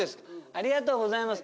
ありがとうございます。